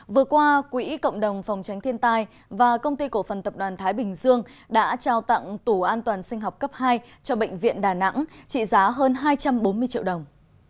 vừa qua quỹ cộng đồng phòng tránh thiên tai và công ty cổ phần tập đoàn thái bình dương đã trao tặng tủ an toàn sinh học cấp hai cho bệnh viện đà nẵng trị giá hơn hai trăm bốn mươi triệu đồng